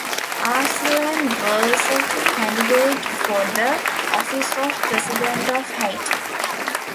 Arcelin was a candidate for the office of president of Haiti.